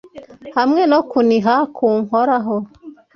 Hamwe no kuniha kunkoraho